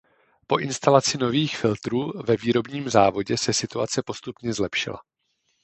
Po instalaci nových filtrů ve výrobním závodě se situace postupně zlepšila.